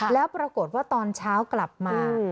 แล้วปรากฏว่าตอนเช้ากลับมา